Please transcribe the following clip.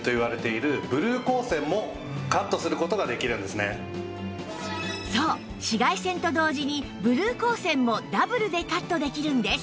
しかもそう紫外線と同時にブルー光線もダブルでカットできるんです